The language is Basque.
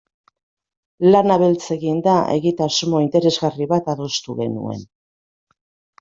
Lana beltz eginda, egitasmo interesgarri bat adostu genuen.